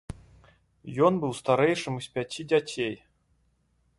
Ён быў старэйшым з пяці дзяцей.